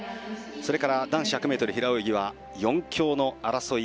それから男子１００ｍ平泳ぎは４強の争い。